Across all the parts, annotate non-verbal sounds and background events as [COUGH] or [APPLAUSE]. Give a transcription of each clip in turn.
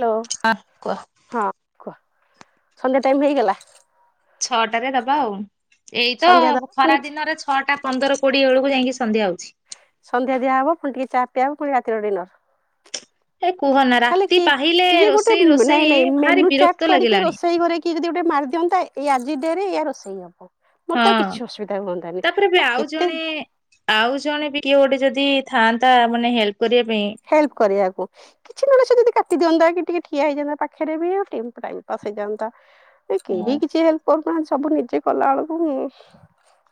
Hello ହଁ କୁହ। ହଁ କୁହ ସନ୍ଧ୍ୟେ ଟାଇମ୍ ହେଇଗଲା ଛଅଟାରେ ଦବା ଆଉ ଏଇତ ସନ୍ଧ୍ୟା ଦବ ପୁଣି ଖରା ଦିନରେ ଛଅଟା ପନ୍ଦର କୋଡ଼ିଏ ବେଳକୁ ଯାଇକି ସନ୍ଧ୍ୟା ହେଉଛି ସନ୍ଧ୍ୟା ଦିହ ହେବ ପୁ ଟି ଚାିଇବ ପଣିତିର ଡିନର୍ ଏ କୁହନା ଖାଲି ରାତି କିଏ ପାହିଲେ କିଏ ଗୋଟେ ରୋଷେଇ ନାଇଁ ରୋଷେଇ ନାଇଁ ଭାରି ମେନୁ ଚାଟ୍ ବିରକ୍ତ କରିକି ଲାଗିଲାଣି। ରୋଷେଇ ଘରେ କିଏ ଯଦି ଗୋଟେ ମାରିଦିଅନ୍ତା ଏଇ ଆଜି ଦେ ଇ ରୋଷେଇ ହବ ମୋର ତ ହଁ କିଛି ଅସୁବିଧା ହୁଅନ୍ତାନି ତାପରେ ବି ଆଉ କେତେ ଜଣେ ଆଉ ଜଣେ ବି କିଏ ଗୋଟେ ଯଦି ଥାଆନ୍ତା ମାନେ ହେଲ୍ପ କରିବା ପାଇଁ ହେଲ୍ପ କରିବାକୁ କିଛି ନଳେଷ ଯଦି କାଟି ଦିଅନ୍ତା କି ଟିକେ ଠିଆ ହେଇଯାନ୍ତା ପାଖରେ ବି ଟାଇମପସ୍ ହେଇଯାନ୍ତା ଏ କେହି କିଛି ହେଲ୍ପ କରୁନାହାନ୍ତି ସବୁ ନିଜେ କଲାବେେଳକୁ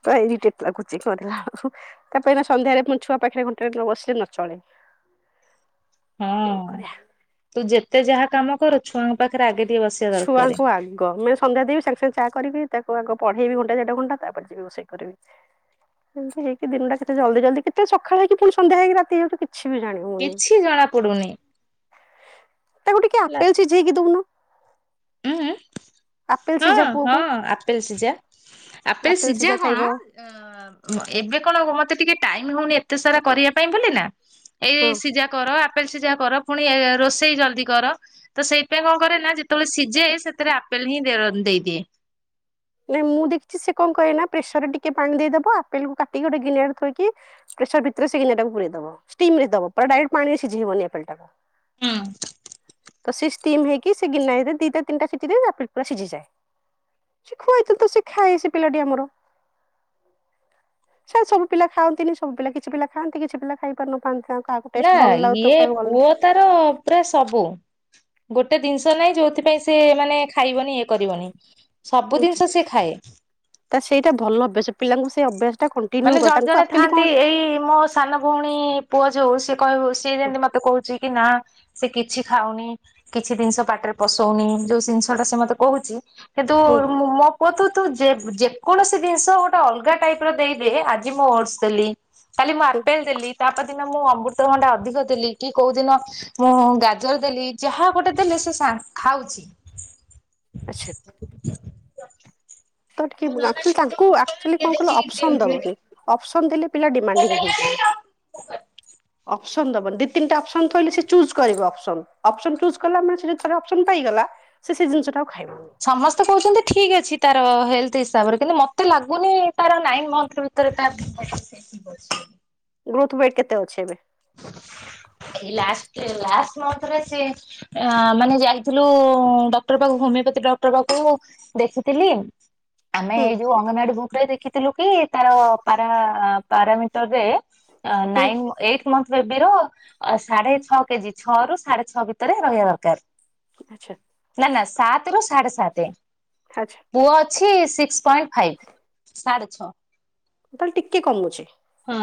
ୁର ଇରିଟେଟ ଲାଗୁଚିକ ମ ତା ପାଇଁ ନା ସନ୍ଧ୍ୟାରେ ମୁଁ ଛୁଆ ପାଖରେ ଘଣ୍ଟେ ବସିଲେ ନ ଚଳେ କଣ ହଁ କରିବା ତୁ ଯେତେ ଯାହା କାମ କରୁ ଛୁଆଙ୍କ ପାଖରେ ଆଗେ ଟିକେ ବସିିକ ଛୁଆଙ୍କୁ ଆଗ ମାନେ ସନ୍ଧ୍ୟା ଦେବି ସାଙ୍ଗ ସେ ଚାହା କରିବି ତାକୁ ଆଗ ପଢେଇବି ଘଣ୍ଟା ଦେଢ଼ ଘଣ୍ଟା ତାପରେ ଯିବି ରୋଷେଇ କରିବି ଏମତି ହେଇକି ଦିନଟା କେତେ ଜଲଦି ଜଲଦି କେତେ ସଖାଳ ହେଇକି ପୁଣି ସନ୍ଧ୍ୟା ହେଇକି ରାତି ହେଇ ଯାଉଚି କିଛି ବି ଜାଣି ହଉନି। କିଛି ଜଣାପଡୁନି ତାକୁ ଟିକେ ଆପେଲ ଚିଝେଇକି ଦଉନ ଉଁ ଆପେଲ ହଁ ସିଝା ହଁ ପୁଅକୁ ଆପେଲ ସିଝା ଆପେଲ ସିଝା କଣ ଅ ଏବେ କଣ ମତେ ଟିକେ ଟାଇମ ହଉନି ଏତେ ସାରା କରିବା ପାଇଁ ବୋଲି ନା ଏଇ ହଁ। ସିଝା କର ଆପଲ ସିଝା କର ପୁଣି ଏ ରୋଷେଇ ଜଲଦି କର ତ ସେଇଥିପାଇଁ କଣ କରେ ନା ଯେତେବଳେ ସି ଯେ ସେଥିରେ ଆପେଲ ହିଁ ଦେ ଦେଇଦିଏ ନାଇଁ ମୁଁ ଦେଖିଛି ସେ କଣ କହେ ନା ପ୍ରେସର ରେ ଟିକେ ପାଣି ଦେଇଦବ ଆପେ କାଟିକି ଗଟେ ଗିନାରେ ଥୋଇକି ପ୍ରେସର ଭିତରେ ସେ ଗିନା ଟାକୁ ପୁରାଇଦେବ ଷ୍ଟିମ ରେ ଦେବ ପୁରା ଡାଇରେକ୍ଟ ପାଣିରେ ସିଝାଇବନି ଆପଲ ଟାକୁ ହୁଁ ତ ସେ ଷ୍ଟିମ ହେଇକି ସେ ଗିନା ହେଇ ଦିଟା ତିନଟା ସିଟିରେ ତାପରେ ପୁରା ସିଝିଯାଏ ସେ ଖୁଆଇଥିଲୁ ତ ସେ ଖାଏ ସେ ପିଲାଟି ଆମର ସେ ସବୁ ପିଲା ଖାଆନ୍ତିନି ସବୁ ପିଲା କିଛି ପିଲା ଖାନ୍ତି କିଛି ପିଲା ଖାଇ ପାରୁନଥାନ୍ତି ତାଙ୍କ ତାକୁ ନା ଟେଷ୍ଟ ଭଲ ଲାଗୁ ତ ଇଏ କାହାକୁ ଭଲ ପୁଅ ତାର ପୁରା ସବୁ ଗୋଟେ ଜିନିଷ ନହିଁ ଯୋଉଥିପାଇଁ ସେି ମାନେ ଖାଇବନି ଇଏ କରିବନି ସବୁ ଜିନିଷ ସି ଖାଏ ତା ସେଇଟା ଭଲ ଅଭ୍ୟାସ ପିଲାଙ୍କୁ ସେଇ ଅଭ୍ୟାସ ଟା କ ମାନେ ଜଣେ ଜଣେ ଥାଆନ୍ତି ଏଇ ମୋ ସାନ ଭଉଣୀ ପୁଅ ଯୋଉ ସିଏ କହିବ ସିଏ ଯେମିତି ମତେ କହୁଛି କି ନା ସେ କିଛି ଖାଉନି କିଛି ଜିନିଷ ପାଟିରେ ପଶଉନି ଯୋଉ ଜିନିଷ ଟା ସେ ମତେ କହୁଛି କିନ୍ତୁ ହୁଁ ମୋ ପୁଅ ତୁ ତୁ ଯେ ଯେକୌଣସି ଜିନିଷ ଗୋଟେ ଅଲଗା ଟାଇପ ର ଦେଇ ଆଜି ମୁଁ ଓଟସ ଦେଲି କାଲି ମୁଁ ହୁଁ ଆପେଲ ଦେଲି ତାପର ଦିନ ମୁଁ ଅମୃତଭଣ୍ଡା ଅଧିକ ଦେଲି କି କୋଉଦିନ ମୁଁ ଗାଜର ଦେଲି ଯାହା ଗୋଟେ ଦେଲି ସେ ସା ଖାଉଛି ଆଚ୍ଛା ତାକୁ ଟିକେ ଆକ୍ଚୁଲି ତାଙ୍କୁ ଆକଚୁଆଲି କଣ କହିଲ ଅପସନ ଦବନି ଅପସନ ଦେଲେ ପିଲା ଡିମାଡିଂ ହେଇଯିବେ ଅପସନ୍ ଦେବନି ଦି ତିନି ଟା ଅପସନ୍ ଥୋଇଲେ ସେ ଚୁଜ୍ କରିବ ଅପସନ୍ ଅପସନ୍ ଚୁଜ୍ କଲା ମାନେ ସେ ଯଦି ତାର ଅପ୍ସନ୍ ପାଇଗଲା ସେ ସେ ଜିନିଷ ଟାକୁ ଖାଇବ ସମସ୍ତେ କହୁଛନ୍ତି ଠିକ୍ ଅଛି ତାର ହେଲ୍ଥ ହିସାବରେ କିନ୍ତୁ ମତେ ଲାଗୁନି ତାର ନାଇନ ମନ୍ଥ ସେ ବ [INAUDIBLE] ଗ୍ରୋଥ ୱେଟ କେତେ ଅଛି ଏବେ ଏଇ ଲାଷ୍ଟ ଏଇ ଲାଷ୍ଟ ମନ୍ଥ ରେ ସେ ଆ ମାନେ ଯାଇଥିଲୁ ଡକ୍ଟର ପାଖକୁ ହୋମିଓପାଥି ଡକ୍ଟର ପାଖକୁ ଦେଖିଥିଲି ଆମେ ହୁଁ ଏଇ ଯୋଉ ଅଙ୍ଗନାଡି ବୁକ ରେ ଦେଖିଥିଲୁ କି ତାର ପାରା ପାରାମିଟରରେ ହୁଁ ନାଇନ୍ ଏଇଟ୍ ମନ୍ଥ ବେବିର ସାଢେ ଛଅ କେଜି ଛଅ ରୁ ସାଢେ ଛଅ ଭିତରେ ରହିବା ଦରକାର ଆଚ୍ଛା ନା ନା ସାତରୁୁ ସାଢେ ସାତେ ଆଚ୍ଛା ପୁଅ ଅଛି ସିକ୍ସ ପଏଣ୍ଟ ଫାଇଭ୍ ସାଢ଼େ ଛଅ ତାହେଲେ ଟିକେ କମୁଛି ହୁଁ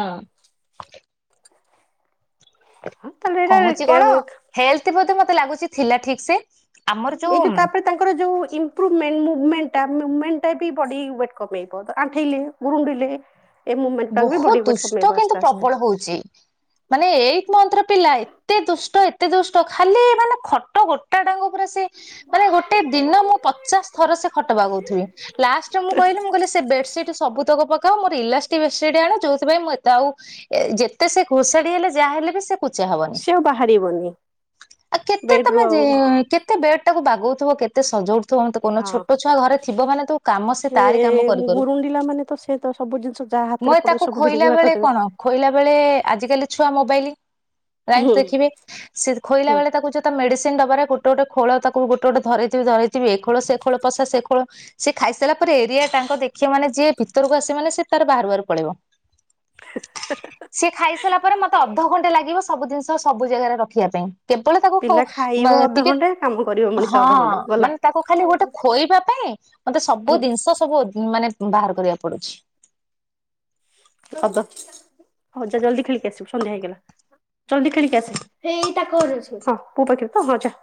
ହଁ ତାହେଲେ କମୁଛି କଣ ଏଇଟା ହେଲ୍ଥ ବଧେ ମତେ ଲାଗୁଛି ଥିଲା ଠିକ ସେ ଆମର ଏଇ ଯୋଉ ଯଉ ତାପରେ ତାଙ୍କର ଯେଉଁ ଇମ୍ପ୍ରୁଭମେଣ୍ଟ ମୁଭମେଣ୍ଟ ଟା ମୁଭମେଣ୍ଟ ଟା ବି ବଡ଼ି ୱେଟ୍ କମେଇବ ଆଣ୍ଠେଇଲେ ଗରୁଣ୍ଡିଲେ ବହୁତ ଦୁଷ୍ଟ କିନ୍ତୁ ଆସ୍ତେ ପ୍ରବଳ ହଉଛି ମାନେ ଏଇଟ୍ ମନ୍ଥର ପିଲା ଏତେ ଦୁଷ୍ଟ ଏତେ ଦୁଷ୍ଟ ଖାଲି ମାନେ ଖଟ ଗୋଟା ଡାଙ୍ଗ ପରେ ସେ ମାନେ ଗୋଟେ ଦିନ ମୁଁ ପଚାଶ ଥର ସେ ଖଟ ବାଗଉଥିବି। ଲାଷ୍ଟରେ ମୁ କିହିଲି ମୁଁ କହିଲି ସେ ବେଡସିଟ ସବୁତକ ପକାଅ ମୋର ଇଲାଷ୍ଟ ବେଡସିଟ ଆଣ ଯୋଉଥିପାଇଁ ମୁଁ ଏତେ ଆଉ ଯେତେ ସେ ଘୋଷାଡି ହେଲେ ଯାହା ହେଲେ ବି ସେ ପଚା ହବନି ସେ ଆଉ ବାହାରିବନି ଆଉ କେତେ ବେଡ ତମେ ରୁ ଆଉ ଯେ କେତେ ବେଡ ଟାକୁ ବାଗଉଥିବ କେତେ ସଜଉଥିବ। ତ ମୋତେ କହୁନ ଛୋଟ ହଁ ଛୁଆ ଘରେ ଥିବ ମାନେ ତୁ କାମ ସେ ତାରି କାମ କରୁ କରୁ। ପିଲାମାନେ ତ ସେ ତ ସବୁଜିନିଷ ଯାହା ହାତରେ ମୁଁ ପଡିବ ତାକୁ ସବୁ ଭିଡିକି ଖୋଇଲା ବାହାର ବେଳେ କରିଦେବେ କଣ ଖୋଇଲା ବେଳେ ଆଜିକାଲି ଛୁଆ ମୋବାଇଲ। ରାଇସ ହୁଁ ଦେଖିବେ ସେ ଖୋଇଲା ହୁଁ ବଳେ ତାକୁ ଯୋଉ ତା ମେଡିସିନଡବାରେ ଗୋଟେ ଗୋଟେ ଖୋଳ ତାକୁ ଗୋଟେ ଗୋଟ ଧ ଧରଥିବି ଏ ଖୋଳ ସେ ଖୋ ଖୋଳ ପସା ସେ ଖୋଳ ସେ ଖାଇସାରିଲା ପରେ ଏରିଆ ଟାଙ୍କ ଦେଖିବା ମାନେ ଯିଏ ଭିତରକୁ ଆସିବ ମାନେ ସେ ତାର ବାହାରୁ ବାହାରୁ ପଳେଇବ ସିଏ ଖାଇସାରିଲା ପରେ ମତେ ଅଧଘଣ୍ଟେ ଲାଗିବ ସବୁ ଜିନିଷ ତ ସବୁ ଜାଗାରେ ରଖିବା ପାଇଁ। କେବଳ ତାକୁ ପିଲା ଖାଇବ ଟିକେ ଅଧଘଣ୍ଟେ କାମ କରିବ ମଣିଷ ହଁ ଅଧଘଣ୍ଟେ ଗଲା ମାନେ ତାକୁ ଖାଲି ଗୋଟେ ଖୋଇବା ପାଇଁ ମତେ ସବୁ ହୁଁ ଜିନିଷ ସବୁ ମାନେ ବାହାର କରିବାକୁ ପଡୁଛି ହବ ହଉ ଯା ଜଲଦି ଖେଳିକି ଆସିବୁ ସନ୍ଧ୍ୟା ହେଇଗଲା। ଜଲଦି ଖେଳିକି ଆସେ ଏଇ ତାଙ୍କ ଘରେ ଅ ହଁ ପୁଅ ପାଖରେ ତ ହଁ ଯା।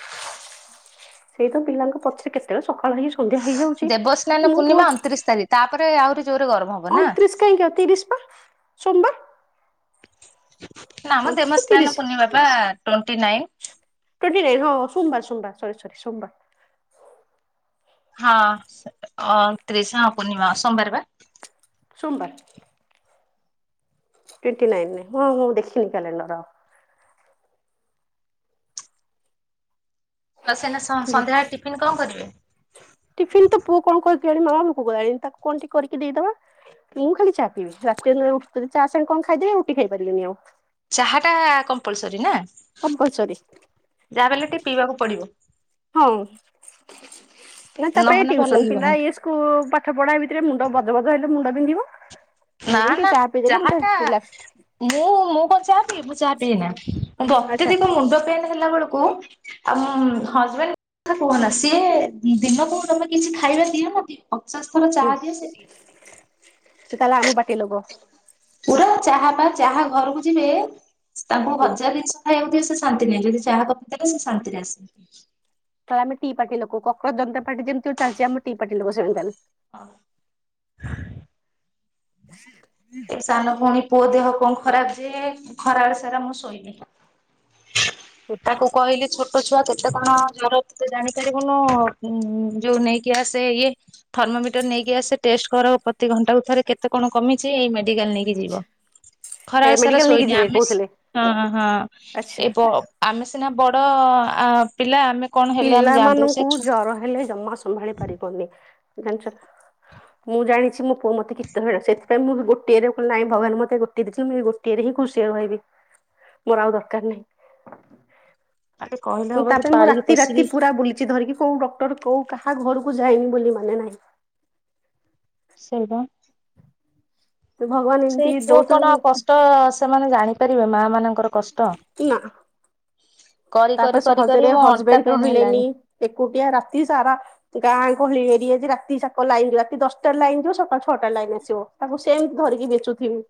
ସେଇ ତ ପିଲାଙ୍କ ପଛରେ କେତେବେଳେ ସକାଳୁ ହେଇ ସନ୍ଧ୍ୟା ହେଇଯାଉଛି। ଦେବସ୍ନାନ ମୋ ପୁଅ ପୂର୍ଣ୍ଣିମା ଅଣତିରିଶ ତାରିଖ ତାପରେ ଆହୁରି ଜୋରରେ ଗରମ ହବ ନା? ଅଣତିରିଶ ତିରିଶ ପା ସୋମବାର। ନାଆ ମ ଅଣତିରିଶ ତିରିଶ ଦେବସ୍ନାନ ପୂର୍ନିମା ବା ଟ୍ୱଣ୍ଟି ନାଇନ। ଟ୍ୱେଣ୍ଟି ନାଇନ୍ ହଁ ସୋମବାର ସୋମବାର ସରି ସରି ସୋମବାର। ହଁ ଅଣତ୍ରିଶ ହଁ ପୂର୍ଣ୍ଣିମା ସୋମବାର ବା। ସୋମବାର। ଟ୍ୱଣ୍ଟି ନାଇନରେ ହଁ ମୁଁ ଦେଖିନି କ୍ୟାଲେଣ୍ଡର। ଆସିନେ ସନ୍ଧ୍ୟାବେଳେ ଟିଫିିନ କଣ କରିବେ? ଟିଫିନ ତ ପୁଅ କଣ କରିିଣି ମାମା ମୁୁ କ ଗଲାଣି ତାକୁ କଣ ଟିକ କରିକି ଦେଇଦବା। ମୁଁ ଖାଲି ଚା ପିଇବି ରାତିି ହେଲେ ଚା ସାଙ୍ଗେ କଣ ଖାଇଦେବି ଆଉ ରୁଟି ଖାଇ ପାରିବିନି ଆଉ। ଚାହା ଟା କମ୍ପଲସରୀ ନା କମ୍ପଲସରି ଯାହା ବଲେ ଟିକେ ପିଇବାକୁ ପଡିବ। ହଁ ନା ତାପରେ ନହେଲେ ଭଲ ଟିଉସନ ଲାଗିବନି। ପିଲା ଏ କୁ ପାଠ ପଢା ଭିତରେ ମୁଣ୍ଡ ଗଜ ଗଜ ହେଲେ ମୁଣ୍ଡ ବିନ୍ଧିବ। ନା ସେଇଠୁ ଟିକେ ନା ଚା ପିଇଦେଲେ ମତେ ଚାହାଟା ରିଲାକ୍ସ ମୁଁ ମୁଁ କଣ ଚାହା ପିଇଏ ମୁଁ ଚାହା ପିଇଏ ନା ଗତେ ଆଚ୍ଛା। ଦିକ ମୁଣ୍ଡ ପେନ ହେଲା ବେଳକୁ ଆଉ ହଜବେଣ୍ଡ କଥା କୁହନା ସିଏ ଦିନକୁ ତମେ କିଛି ଖାଇବା ଦିଅ ନଦିଅ ପଚାଶ ଥ ହୁଁ ସେ ତାହେଲେ ଆମ ପାଟି ଲୋକ। ପୁରା ଚାହା ପା ଚାହା ଘରକୁ ଯିବେ ତାଙ୍କୁ ହୁଁ ଭଜା ଜିନିଷ ଖାଇବାକୁ ଦିଅ ସେ ଶାନ୍ତି ନାହିଁ ଯଦି ଯାହା କପେ ସେ ଶାନ୍ତିରେ ଆସି ତାହେଲେ ଆମେ ଟି ପାର୍ଟି ଲୋକ କୋକୋରଜ ଜନତା ପାର୍ଟି ଯେମତି ଚାଲିଛି ଆମ ଟି ପାର୍ଟି ଲୋକ ସେମିତି ତାହେଲେ। ଏବେ ସାନ ଭଉଣୀବପୁଣି ପୁଅ ଦେହ କଣ ଖରାପ ଯେ ଖରାବେଳ ସାରା ମୁଁ ଶୋଇନି। ତାକୁ କହିଲେ ଛୋଟ ଛୁଆ କେତେ କଣ ଜର ତତେ ଜାଣିପାରିବୁନୁ ଯୋଉ ନେଇକି ଆସେ ଇଏ ଥର୍ମୋମିଟର ନେଇକି ଆସେ ଟେଷ୍ଟ କର ପ୍ରତି କୁ ଘଣ୍ଟାଥରେ କେତେ କଣ କମଛି ଏଇ ମେଡିକାଲ ନେଇକି। ଖରା ଏ ସାରା ମେଡିକାଲ ନେଇକି ଶୋଇନି ଯିବେ ଆମେ କହୁଥିଲେ ହଁ ହଁ ଆଚ୍ଛା ଇବ ଆମେ ସିନା ବଡ ପିଲା ଆମେ କଣ ହେଲେ ଆମେ ଜା, ପିଲାମାନଙ୍କୁ ସେକବିତା ଜର ହେଲେ ଜ୍ମା ମତ ସମ୍ଭାଳି ପାରିବନି ଜାଣିଛ କି?? ମୁଁ ଜଣିଛିୋୁଅ ମତେ କୀତ ହେ ସେଥିାଇ ମୁଁ ଗୋଏରେ କ ନାଇଁ ଭଗାନ ମତେ ଗୋଏ ଦେଇଛି ମୁଁ ଟେରେ ହିଁ ଖୁସିରେ ରହିବି ମୋର ଆଉ ଦରକାର ନାହିଁ। ଆଗ କହିଲେ ହବ କି ତାପରେ ମୁଁ ପାଳିକି ରାତି ରାତି ପୋଷିକି ପୁରା ବୁଲିଛି ଧରିକି କୋଉ ଡକ୍ଟର କୋଉ କାହା ଘରକୁ ଯାଇନି ବୋଲି ମାନେ ନାହିଁ। ସେଲଭ ଭଗବାନ ଏମିତି ସେଇ ପୁଅ କଣ ଦଉଛନ୍ତି କଷ୍ଟ ସେମାନେ ଜାଣିପାରିବେ ମା ମାନଙ୍କର କଷ୍ଟ? ନା କରି କରି ତାପରେ କରି କରି ସହଜରେ ମୋ ଅଣ୍ଟା ହଜବେଣ୍ଡ ପେନ୍ ରହିଲେନି ହେଲାଣି ଏକୁଟିଆ ରାତି ସାରା ଗାଁ ଗହଳି ଏରିଆ ରାତି ଯାକ ଲାଇନ ଯିବ ରାତି ଦଶଟାରେ ଲାଇନ ଯିବ ସକାଳ ଛଅଟା ରେ ଲାଇନ ଆସିବ। ତାକୁ ସେମିତି ଧରିକି ବିଞ୍ଚୁଥିବି!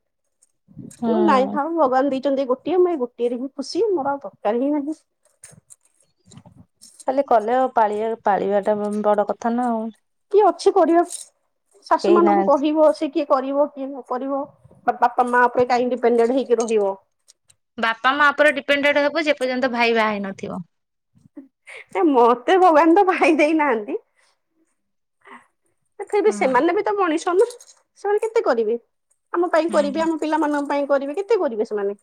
ହୁଁ। ନାଇଁ ଥାଉ ଭଗବାନ ଦେଇଛନ୍ତି ଗୋଟିଏ ମୁଁ ଏ ଗୋଟିଏରେ ହିଁ ଖୁସି ମୋର ଆଉ ଦରକାର ହିଁ ନାହିଁ। [INAUDIBLE] ଖାଲି କଲେ ଆଉ ପାଳି ପାଳିବାଟା ବଡ କଥା ନା ଆଉ! କିଏ ଅଛି କରିବାକୁ ଶାଶୁ କେହି ମାନଙ୍କୁ ନାହାନ୍ତି। କହିବ ସେ କିଏ କରିବ କିଏ ନ କରିବ ବା ବାପା ମା ଉପରେ କାଇଁ ଡିପେଣ୍ଡେଣ୍ଟ ହେଇକି ରହିବ। ବାପା ମା ଉପରେ ଡିପେଣ୍ଡ ହବ ଯେ ପର୍ଯ୍ୟନ୍ତ ଭାଇ ବା ହେଇ ନଥି ଡାଉନଲୋଡ଼ ନ ମତେ ଭଗବାନ ତ ଭାଇ ଦେଇ ନାହାନ୍ତି। ତଥାପି ହଁ ସେମାନେ ବି ତ ମଣିଷ ନା ସେମାନେ କେତେ କରିବେ! ଆମ ପାଇଁ କରିବେ ହୁଁ। ଆମ ପିଲାମାନଙ୍କ ପାଇଁ କରିବେ କେତେ କରିବେ ସେମାନେ?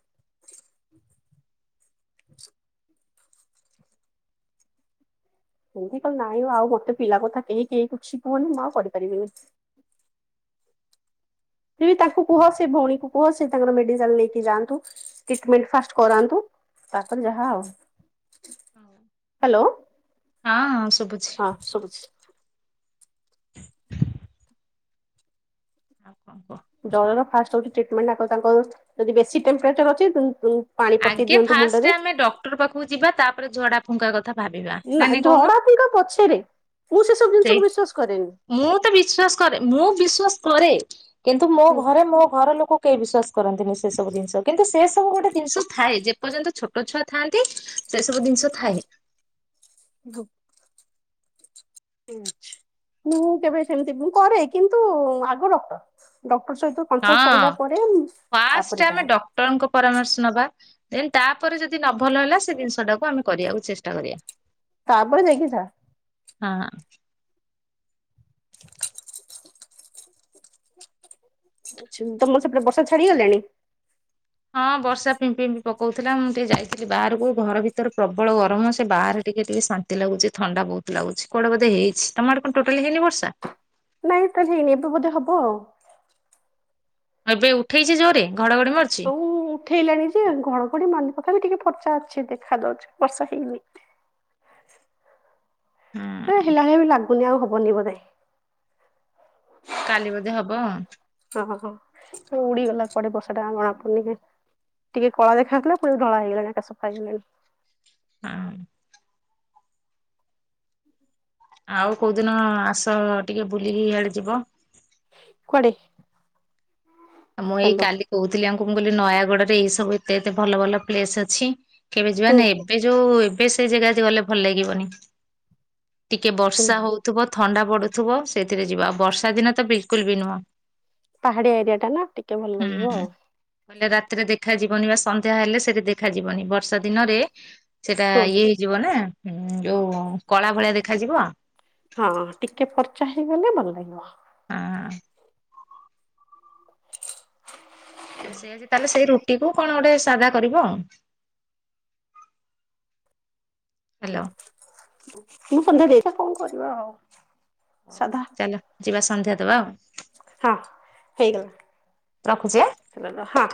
ଏମିତି କହିଲି ନାଇଁ ଆଉ ମୋତେ ପିଲା କଥା କେହି କେହି କିଛି କୁହନି ମୁ ଆଉ କରିପାରିବିନି! ତାଙ୍କୁ କୁହ ସେ ଭଉଣୀଙ୍କୁ କୁହ ସେ ତାଙ୍କର ମେଡିକାଲ ନେଇକି ଯାଆନ୍ତୁ। ଟିଟମେଣ୍ଟ ଫାଷ୍ଟ କରାନ୍ତୁ ତାପରେ ଯାହା ଆଉ। ହ୍ୟାଲୋ ହଁ ହଁ ଶୁଭୁଛି ହଁ ଶୁଣୁଛି। ଆଉ କନ କହ? ଜରର ଫାଷ୍ଟ ହଉଛି ଟ୍ରିଟମେଣ୍ଟ ତାଙ୍କର ଯଦି ବେଶୀ ଟେମ୍ପଚର ଅଛି ପାଣି ପଟି ଆଗେ ଦିଅନ୍ତୁ ଫାଷ୍ଟରେ ମୁଣ୍ଡରେ ଆମେ ଡକ୍ଟର ପାଖକୁ ଯିବା ତାପରେ ଝଡା ଫୁଙ୍କା କଥା ଭାବିବା। ନା ନାଇଁ କହୁନ? ଝଡା ଫୁଙ୍କା ପଛେରେ ମୁଁ ସେ ସବୁ ସେଇ ଜିନିଷକୁ ବିଶ୍ଵାସ କରେନି। ମୁଁ ତ ବିଶ୍ଵାସ କରେ ମୁଁ ବିଶ୍ଵାସ କରେ କିନ୍ତୁ ମୋ ହୁଁ ଘରେ ମୋ ଘର ଲୋକ କେହି ବିଶ୍ଵାସ କରନ୍ତିନି ସେ ସବୁ ଜିନିଷ କିନ୍ତୁ ସେ ସବୁ ଗୋଟେ ଜିନିଷ ଥାଏ ଯେପର୍ଯ୍ୟନ୍ତ ଛୋଟ ଛୁଆ ଥାଆନ୍ତି। ସେ ସବୁ ଜିନିଷ ଥାଏ। [UNINTELLIGIBLE] ମୁଁ କେବେ ସେମିତି ମୁଁ କରେ କିନ୍ତୁ ଆଗ ଡକ୍ଟର ଡକ୍ଟର ସହିତ କନସଲ୍ଟ ହଁ ସରିଲା ପରେ ଫାଷ୍ଟ ତାପରେ ଆମେ ଯାହା ଡକ୍ଟରଙ୍କ ପରାମର୍ଶ ନବା। ଦେନ୍ ତାପରେ ଯଦି ନ ଭଲ ହେଲା ସେ ଜିନିଷ ଟାକୁ ଆମେ କରିବାକୁ ଚେଷ୍ଟା କରିବା ତାପରେ ଯାଇକି ଯାହା ହଁ। [INAUDIBLE] ତମର ସେପଟେ ବର୍ଷା ଛାଡିଗଲାଣି? ହଁ ବର୍ଷା ପିମ୍ପି ପିମ୍ପି ପକଉଥିଲା ମୁଁ ଟିକେ ଯାଇଥିଲି ବାହାରକୁ ଘର ଭିତରେ ପ୍ରବଳ ଗରମ ସେ ବାହାରେ ଟିକେ ଟିକେ ଶାନ୍ତି। ଶାନ୍ତି ଲାଗୁଛି ଥଣ୍ଡା ବହୁତ ଲାଗୁଚି ବୋଧେ ହେଇଛି ତମ ଆଡେ କଣ ଟୋଟାଲି ହେଇନି ବର୍ଷା? ନାଇଁ ତ ହେଇନି ଏବେ ବୋଧେ ହବ ଆଉ। ଏବେ ଉଠେଇଛି ଜୋରେ ଘଡଘଡି ମାରୁଛି? ତଉ ଉଠେଇଲାଣି ଯେ ଘଡଘଡି ମାରିନି ତଥାବି ଟିକେ ଫର୍ଚା ଅଛି ଦେଖା ଯାଉଛି। ବର୍ଷା ହେଇନି। ହୁଁ। ଏ ହେଲା ହେଲା ବି ଲାଗୁନି ଆଉ ହବନି ବୋଧେ! କାଲି ବୋଧେ ହବ। ଓଁ ହୋ ଉଡିଗଲା କୁଆଡେ ବର୍ଷା ଟା ଆମର ହବନି ଯେ ଟିକେ କଳା ଦେଖା ହଉଥିଲା ପୁଣି ଧଳା ହେଇଗଲାଣି ଏକା ସଫା ହେଇଗଲାଣି। ହଁ। ଆଉ କୋଉଦିନ ଆସ ଟିକେ ବୁଲିକିଇଆଡେ ଯିବ? କୁଆଡେ? ଆଉ ମୁଁ ଏଇ ହ୍ୟାଲୋ କାଲି କହୁଥିଲି ଆମକୁ ମୁଁ କହିଲି ନୟାଗଡ଼ ରେ ଏଇ ସବୁ ଏତେ ଏତେ ଭଲ ଭଲ ପ୍ଲେସ ଅଛି କେବେ ଯିବା ହୁଁ ନା ଏବେ ଯୋଉ ଏବେ ସେଇ ଜାଗା ଗଲେ ଭଲ ଲାଗିବନି। ଟିକେ ହୁଁ ବର୍ଷା ହୁଁ ହଉଥିବ ଥଣ୍ଡା ପଡୁଥିବ ସେଥିରେ ଯିବା ଆଉ ବର୍ଷା ଦିନ ତ ବିଲକୁଲ ବି ନୁହଁ। ପାହାଡିଆ ଏରିଆ ଟା ନା ଟିକେ ଭଲ ଲାଗିବ ଆଉ। କଲେ ରାତିରେ ଦେଖାଯିବନି ବା ସନ୍ଧ୍ୟା ହେଲେ ସେଠି ଦେଖାଯିବନି ବର୍ଷା ଦିନରେ ସେଇଟା ହୁଁ ଇଏ ହେଇଯିବ ନା ଯୋଉ କଳା ଭଳିଆ ଦେଖାଯିବ। ହଁ ଟିକେ ଫର୍ଚା ହେଇଗଲେ ଭଲ ଲାଗିବ। ହଁ। ତ ସେ ଆଜି ତାହେଲେ ସେଇ ରୁଟି କୁ କଣ ଗୋଟେ ସାଦା କରିବ ଆ ହ୍ୟାଲୋ। ମୁଁ ସନ୍ଧ୍ୟା ଦେଇ ସାରେ କଣ କରିବା ଆଉ। ହଉ ସାଧା ଚାଲ ଯିବା ସନ୍ଧ୍ୟା ଦବା ଆଉ। ହଁ ରଖୁଛି ଆଁ। ହେଇଗଲା ହଁ।